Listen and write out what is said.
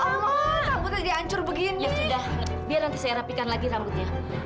hai aduh gimana bu ini kalau mau takutnya hancur begini sudah biar nanti saya rapikan lagi rambutnya